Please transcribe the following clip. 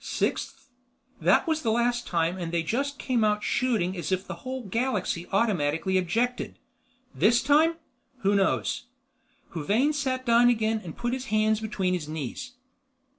Sixth? that was the last time and they just came out shooting as if the whole galaxy automatically objected. This time? Who knows?" Huvane sat down again and put his hands between his knees.